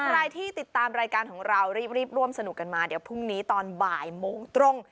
ใครที่ติดตามรายการของเรารีบร่วมสนุกกันมาเดี๋ยวพรุ่งนี้ตอนบ่ายโมงตรง